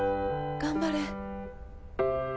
頑張れ。